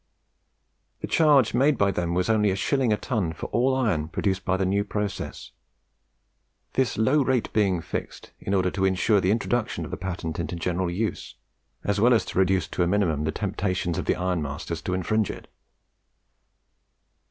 The charge made by them was only a shilling a ton for all iron produced by the new process; this low rate being fixed in order to ensure the introduction of the patent into general use, as well as to reduce to a minimum the temptations of the ironmasters to infringe it.